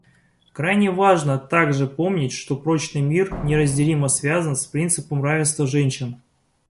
Крайне важно также помнить, что прочный мир неразделимо связан с принципом равенства женщин.